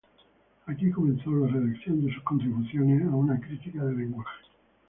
Aquí comenzó la redacción de sus Contribuciones a una Crítica del Lenguaje.